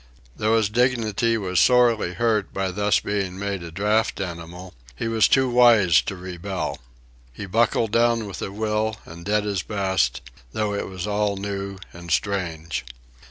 Though his dignity was sorely hurt by thus being made a draught animal, he was too wise to rebel. He buckled down with a will and did his best, though it was all new and strange.